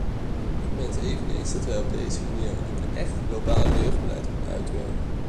Ik wens eveneens dat wij op deze manier een echt globaal jeugdbeleid kunnen uitwerken.